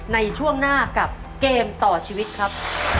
ในช่วงหน้ากับเกมต่อชีวิตครับ